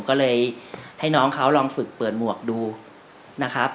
ก็เลยให้น้องเขาลองฝึกเปิดหมวกดูนะครับ